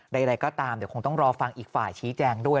ใดก็ตามเดี๋ยวคงต้องรอฟังอีกฝ่ายชี้แจงด้วย